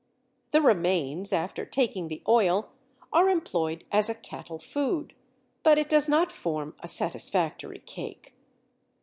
The remains, after taking the oil, are employed as a cattle food, but it does not form a satisfactory cake.